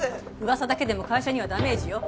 噂だけでも会社にはダメージよ。